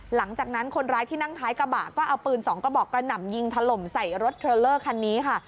หลังจากนั้นคนร้ายที่นั่งท้ายกระบะก็เอาปืน๒กระบอกกระหน่ำยิงถล่มใส่รถเทรลเลอร์คันนี้ค่ะ